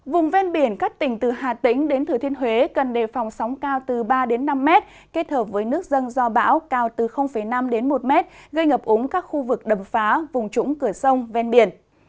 vùng ven biển các tỉnh từ hà tĩnh đến thừa thiên huế cần đề phòng sóng cao từ ba đến năm mét kết hợp với nước dân do bão cao từ năm đến một m gây ngập ống các khu vực đầm phá vùng trũng cửa sông ven biển